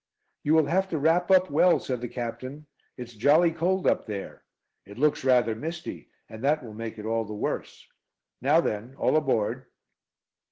"You will have to wrap up well," said the Captain. "It's jolly cold up there. It looks rather misty, and that will make it all the worse. Now then, all aboard."